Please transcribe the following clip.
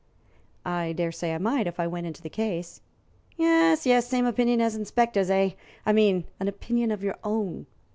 "I dare say I might if I went into the case." "Yes, yes same opinion as inspector's, eh? I mean an opinion of your own?"